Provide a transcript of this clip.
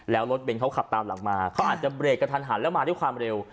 แล้วรถเบนเขาขับตามหลังมาเขาอาจจะเบรกกระทันหันแล้วมาด้วยความเร็ว